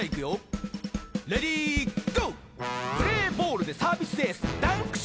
「プレーボールでサービスエースダンクシュートアッパーカット」